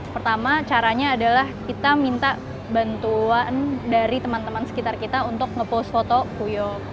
pertama caranya adalah kita minta bantuan dari teman teman sekitar kita untuk ngepost foto puyo